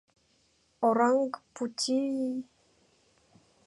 Оранг-пути-и!..